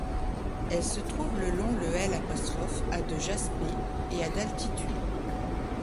Elle se trouve le long le l', à de Jasper et à d'altitude.